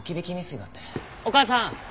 お母さん。